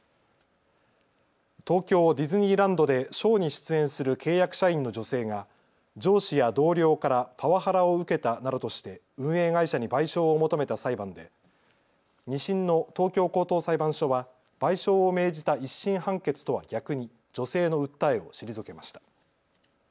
東京ディズニーランドでショーに出演する契約社員の女性が上司や同僚からパワハラを受けたなどとして運営会社に賠償を求めた裁判で２審の東京高等裁判所は賠償を命じた１審判決とは逆に女性の訴えを退けました。